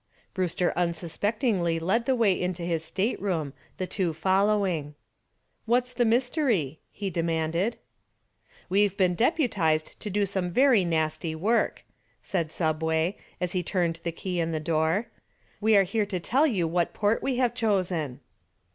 Brewster unsuspectingly led the way into his stateroom, the two following. "What's the mystery?" he demanded. "We've been deputized to do some very nasty work," said "Subway," as he turned the key in the door. "We are here to tell you what port we have chosen."